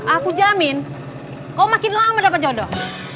aku jamin kau makin lama dengan jodoh